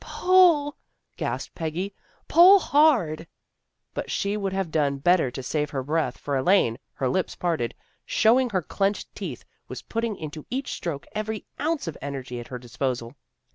" Pull! " gasped Peggy. " Pull hard! " But she would have done better to save her breath, for Elaine, her lips parted, showing her clenched teeth, was putting into each stroke every ounce of energy at her disposal.